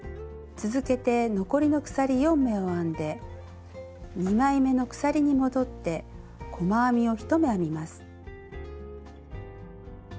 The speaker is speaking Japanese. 続けて残りの鎖４目を編んで２枚めの鎖に戻って細編みを１目編みます。